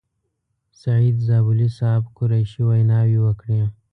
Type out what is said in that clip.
سعید زابلي صاحب، قریشي ویناوې وکړې.